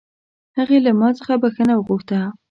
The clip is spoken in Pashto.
هغې له ما څخه بښنه وغوښته